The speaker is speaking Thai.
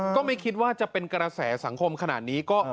ก็ไม่คิดว่าจะเป็นกระแสสังคมขนาดนี้